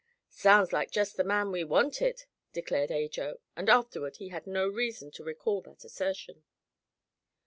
"Sounds like just the man we wanted," declared Ajo, and afterward he had no reason to recall that assertion.